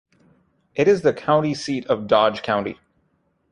It is the county seat of Dodge County.